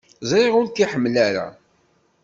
Ẓriɣ ur k-iḥemmel ara.